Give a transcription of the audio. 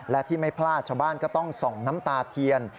และที่ไม่พลาดชาวบ้านก็ต้องส่องน้ำตาเทียน